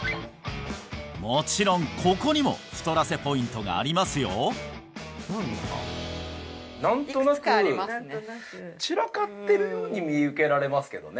もちろんここにも太らせポイントがありますよように見受けられますけどね